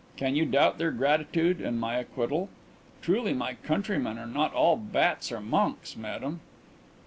can you doubt their gratitude and my acquittal? Truly my countrymen are not all bats or monks, Madame."